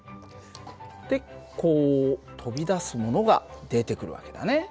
でこう飛び出すものが出てくる訳だね。